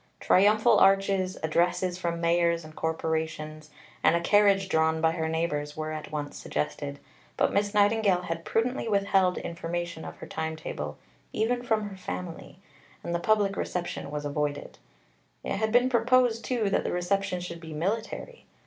Triumphal arches, addresses from mayors and corporations, and a carriage drawn by her neighbours were at once suggested; but Miss Nightingale had prudently withheld information of her time table even from her family, and the public reception was avoided. It had been proposed, too, that the reception should be military.